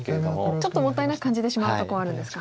ちょっともったいなく感じてしまうとこあるんですか。